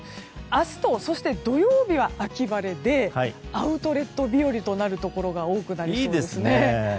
明日とそして土曜日は秋晴れでアウトレット日和のところが多くなりそうですね。